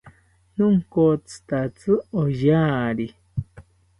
Nonkotzitatzi oyari